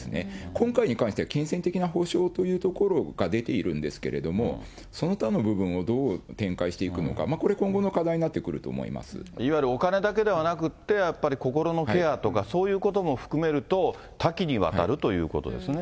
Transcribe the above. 今回に関しては金銭的な補償というところが出ているんですけども、その他の部分をどう展開していくのか、これ今後の課題になってくいわゆるお金だけではなくて、やっぱり心のケアとか、そういうことも含めると、多岐にわたるということですね。